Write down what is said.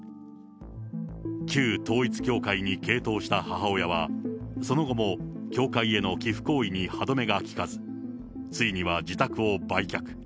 旧統一教会に傾倒した母親は、その後も教会への寄付行為に歯止めがきかず、ついには自宅を売却。